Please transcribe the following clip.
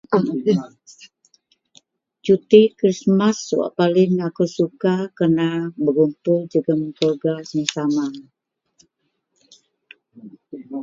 Suti Krismas wak paling akou suka kerena begumpul jegem keluarga sisama